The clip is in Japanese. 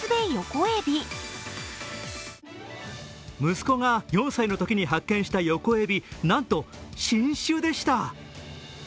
息子が４歳のときに発見したヨコエビ、なんと新種でした！